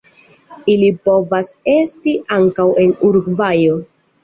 Ili povas esti ankaŭ en Urugvajo.